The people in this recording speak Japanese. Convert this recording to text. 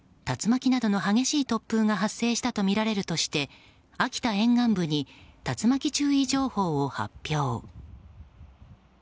竜巻などの激しい突風が発生したとみられるとして秋田沿岸部に竜巻注意情報を発表。